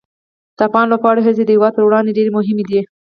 د افغان لوبغاړو هڅې د هېواد پر وړاندې ډېره مهمه دي.